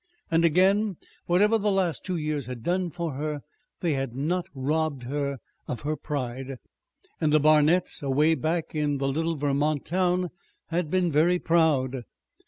And again, whatever the last two years had done for her, they had not robbed her of her pride. And the Barnets, away back in the little Vermont town, had been very proud.